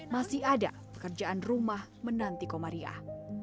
masih ada pekerjaan rumah menanti komariah